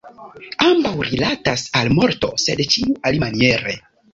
Ambaŭ rilatas al morto, sed ĉiu alimaniere.